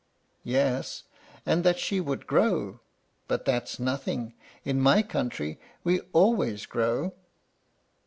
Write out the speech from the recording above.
"Yes, and that she would grow; but that's nothing. In my country we always grow."